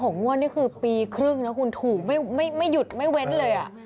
งวดนี่คือปีครึ่งนะคุณถูกไม่หยุดไม่เว้นเลยอ่ะ